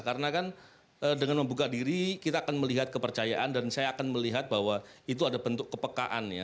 karena kan dengan membuka diri kita akan melihat kepercayaan dan saya akan melihat bahwa itu ada bentuk kepekaan ya